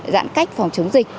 giãn cách phòng chống dịch